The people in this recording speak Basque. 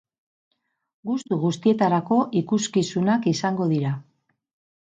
Gustu guztietarako ikuskizunak izango dira.